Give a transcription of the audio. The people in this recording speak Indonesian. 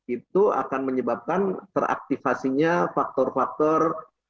itu akan menyebabkan teraktivasinya faktor faktor